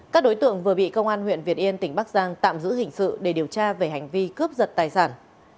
các đối tượng vừa bị công an huyện việt yên tỉnh bắc giang tạm giữ hình sự để điều tra về hành vi cướp giật tài sản